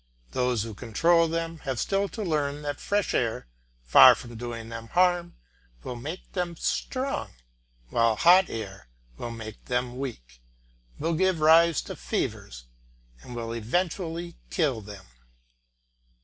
Those who control them have still to learn that fresh air, far from doing them harm, will make them strong, while hot air will make them weak, will give rise to fevers, and will eventually kill them.